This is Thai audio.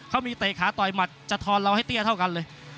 เขามีเตะขาต่อยหมัดจะทอนเราให้เตี้ยเท่ากันเลย